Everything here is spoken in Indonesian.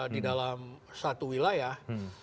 di dalam satu wilayah